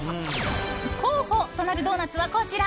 候補となるドーナツは、こちら。